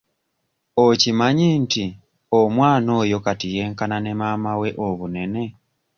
Okimanyi nti omwana oyo kati yenkana ne maama we obunene?